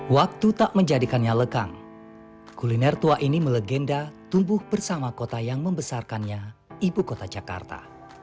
waktu tak menjadikannya lekang kuliner tua ini melegenda tumbuh bersama kota yang membesarkannya ibu kota jakarta